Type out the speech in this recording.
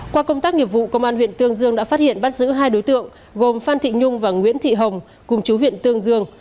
qua công tác nghiệp vụ công an huyện tương dương đã phát hiện bắt giữ hai đối tượng gồm phan thị nhung và nguyễn thị hồng cùng chú huyện tương dương